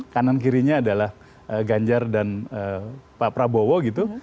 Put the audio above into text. kanan kirinya adalah ganjar dan pak prabowo gitu